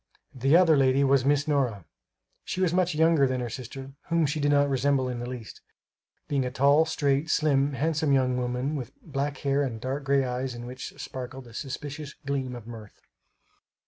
The other lady was Miss Nora. She was much younger than her sister whom she did not resemble in the least, being a tall straight, slim, handsome young woman with black hair and dark gray eyes in which sparkled a suspicious gleam of mirth.